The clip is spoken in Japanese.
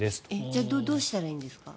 じゃあどうしたらいいんですか？